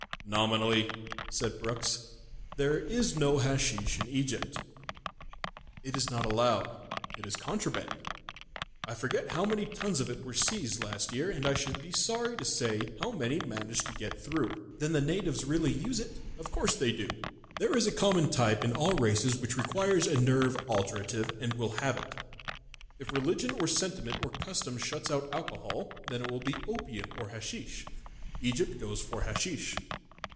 "Nominally," said Brookes, "there is no hasheesh in Egypt. It is not allowed. It is contraband. I forget how many tons of it were seized last year, and I should be sorry to say how much managed to get through." "Then the natives really use it?" "Of course they do. There is a common type in all races which requires a nerve alterative and will have it. If religion or sentiment or custom shuts out alcohol, then it will be opium or hasheesh. Egypt goes for hasheesh."